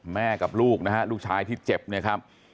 แม่กับลูกนะฮะลูกชายที่เจ็บเนี่ยครับ